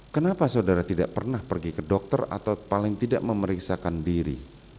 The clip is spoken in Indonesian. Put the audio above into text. kenapa saudara tidak pernah pergi ke dokter atau paling tidak memeriksakan diri